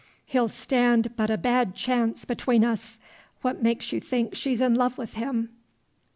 He'll stand but a bad chance between us. What makes you think she's in love with him?